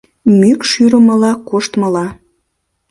Мӱкш шӱрымыла-коштмыла